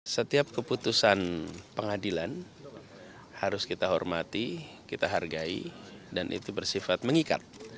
setiap keputusan pengadilan harus kita hormati kita hargai dan itu bersifat mengikat